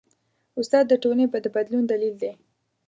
استاد د ټولنې د بدلون دلیل دی.